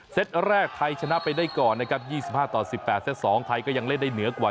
แรกไทยชนะไปได้ก่อนนะครับ๒๕ต่อ๑๘เซต๒ไทยก็ยังเล่นได้เหนือกว่า